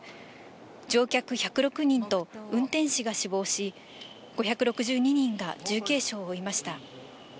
乗客１０６人と運転士が死亡し、５６２人が重軽傷を負いました。